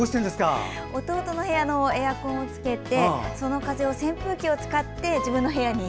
弟の部屋のエアコンをつけてその風を扇風機を使って自分の部屋に。